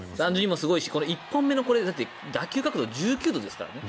３２もすごいし１本目のこれ打球角度１９度ですからね。